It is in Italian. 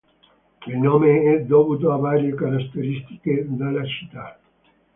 Il nome è dovuto a varie caratteristiche della città.